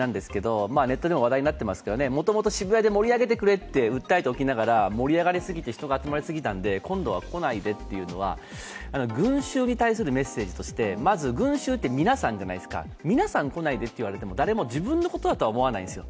ネットでも話題になっていますが、もともと渋谷を盛り上げてくれと訴えておきながら盛り上がりすぎて人が集まりすぎたので、今度は「来ないで」というのは群集に対するメッセージとして群衆ってまず皆さんじゃないですか、皆さん来ないでといっても誰も自分のことだとは思わないんですよ